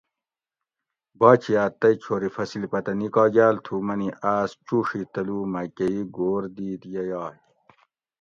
باچیات تئ چھوری فصیل پتہ نیکاگاۤل تھو منی آس چوڛی تلو مکہ ئ گھور دیت یہ یائ